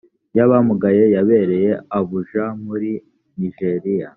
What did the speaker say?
y abamugaye yabereye abuja muri nigeria